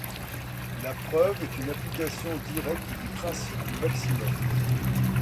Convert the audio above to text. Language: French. La preuve est une application directe du principe du maximum.